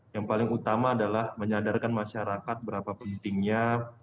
yang paling utama adalah menyadarkan masyarakat berapa pentingnya